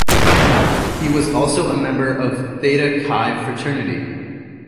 He was also a member of Theta Chi fraternity.